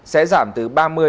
sẽ giảm từ ba mươi bốn mươi năm